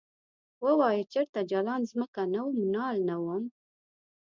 ووایه چرته جلان ځمکه نه وم نال نه وم ؟